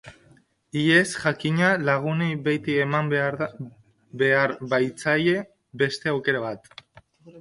Hi ez, jakina, lagunei beti eman behar baitzaie beste aukera bat.